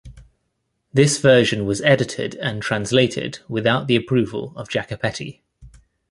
This version was edited and translated without the approval of Jacopetti.